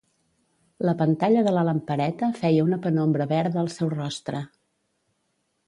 La pantalla de la lampareta feia una penombra verda al seu rostre.